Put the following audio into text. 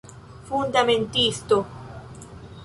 Fundamentisto.